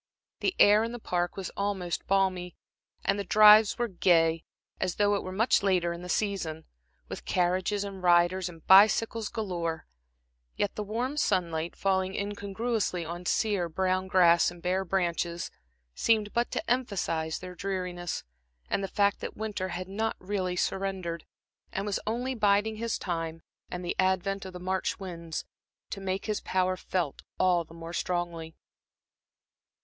The air in the Park was almost balmy, and the drives were gay, as though it were much later in the season, with carriages and riders and bicycles galore; yet the warm sunlight falling incongruously on sere, brown grass and bare branches, seemed but to emphasize their dreariness and the fact that winter had not really surrendered, and was only biding his time and the advent of the March winds, to make his power felt all the more strongly.